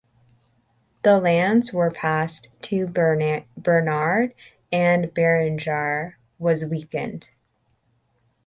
The lands were passed to Bernard and Berengar was weakened.